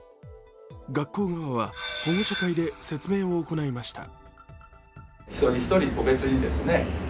学校側は保護者会で説明を行いました。